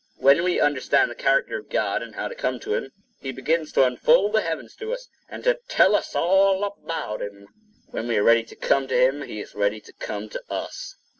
When we understand the character of God, and how to come to him, he begins to unfold the heavens to us, and to tell us all about it. When we are ready to come to him, he is ready to come to us.